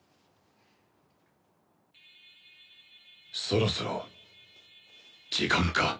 そろそろ時間か。